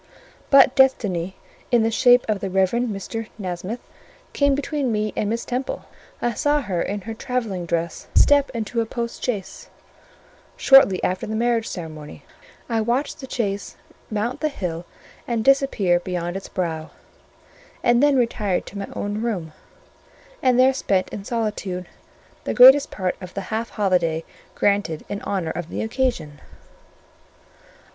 But destiny, in the shape of the Rev. Mr. Nasmyth, came between me and Miss Temple: I saw her in her travelling dress step into a post chaise, shortly after the marriage ceremony; I watched the chaise mount the hill and disappear beyond its brow; and then retired to my own room, and there spent in solitude the greatest part of the half holiday granted in honour of the occasion.